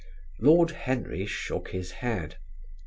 Lord Henry shook his head.